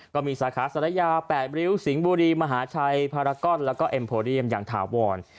ก็มีสาขาศาลยา๘ริ้วสิงห์บุรีมหาชัยพารากอนแล้วก็เอ็มโพเดียมอย่างถาวร